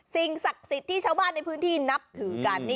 สิ่งศักดิ์สิทธิ์ที่ชาวบ้านในพื้นที่นับถือกัน